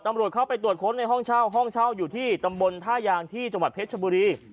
ตำรวจเข้าไปตรวจค้นในห้องเช่าห้องเช่าอยู่ที่ตำบลท่ายางที่จังหวัดเพชรชบุรี